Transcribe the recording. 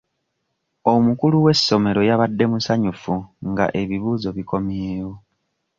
Omukulu w'essomero yabadde musanyufu nga ebibuuzo bikomyewo.